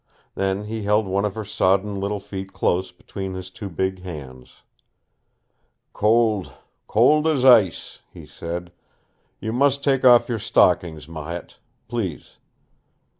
Then he held one of her sodden little feet close between his two big hands. "Cold cold as ice," he said. "You must take off your stockings, Marette. Please."